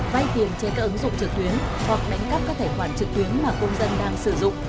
vay tiền trên các ứng dụng trực tuyến hoặc đánh cắp các tài khoản trực tuyến mà công dân đang sử dụng